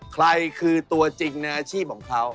ใครคือตัวจริงในอาชีพของเขา